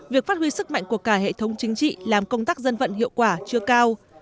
việc phát huy sức mạnh của cả hệ thống chính trị làm công tác dân vận hiệu quả chưa cao